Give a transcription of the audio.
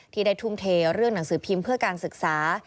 ที่ได้ทุ่มเทเรื่องหนังสือพิมพ์เพื่อการศึกษา